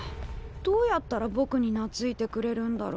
どうやったらぼくになついてくれるんだろ。